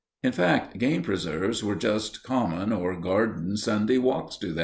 In fact, game preserves were just common or garden Sunday walks to them.